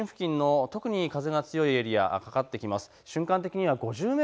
中心付近の特に風が強いエリアかかってきます。